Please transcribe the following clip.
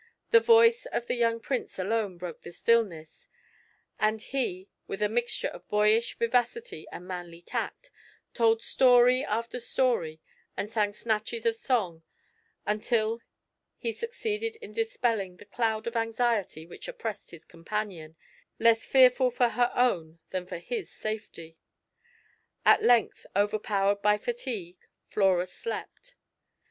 The voice of the young Prince alone broke the stillness; and he, with a mixture of boyish vivacity and manly tact, told story after story, and sang snatches of song until he succeeded in dispelling the cloud of anxiety which oppressed his companion, less fearful for her own than for his safety. At length, overpowered by fatigue, Flora slept.